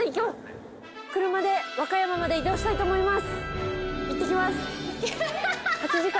車で和歌山まで移動したいと思います。